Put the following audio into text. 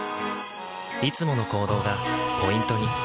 いつもの行動がポイントに。